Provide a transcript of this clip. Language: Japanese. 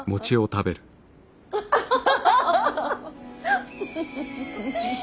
ハハハハハ。